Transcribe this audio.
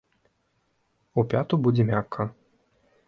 У пяту будзе мякка.